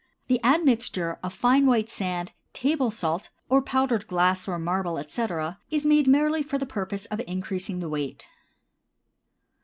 The admixture of fine white sand, table salt, or powdered glass or marble, etc., is made merely for the purpose of increasing the weight.